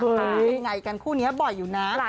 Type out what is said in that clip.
เป็นยังไงกันคู่นี้บ่อยอยู่นะ